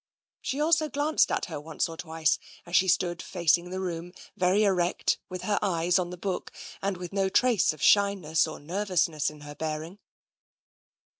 She also glanced at her once or twice, as she stood facing the room, very erect, with her eyes on the book, and with no trace of shyness or nervousness in her bearing.